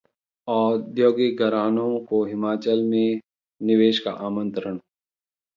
औद्योगिक घरानों को हिमाचल में निवेश का आमंत्रण